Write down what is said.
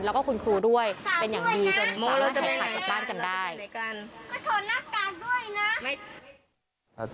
แล้วก็คุณครูด้วยเป็นอย่างดีจนสามารถถ่ายขาดกลับบ้านกันได้